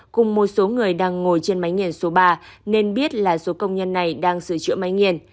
cùng một số người đang ngồi trên máy nghiền số ba nên biết là số công nhân này đang sửa chữa máy nghiền